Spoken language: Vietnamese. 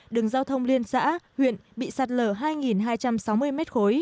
đường giao thông liên xã huyện bị sạt lở hai hai trăm sáu mươi m ba